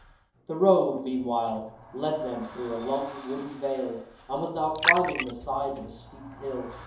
The road, meanwhile, led them through a long woody valley, and was now climbing the sides of a steep hill.